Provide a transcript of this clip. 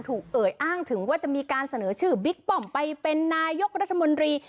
เอ่ยอ้างถึงว่าจะมีการเสนอชื่อบิ๊กป้อมไปเป็นนายกรัฐมนตรี